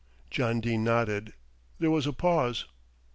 John Dene nodded. There was a pause.